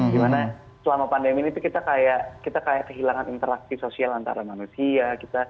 gimana selama pandemi ini kita kayak kehilangan interaksi sosial antara manusia